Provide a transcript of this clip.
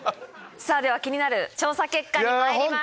では気になる調査結果にまいりましょう。